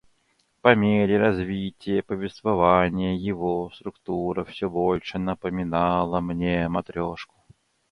По мере развития повествования его структура все больше напоминала мне матрешку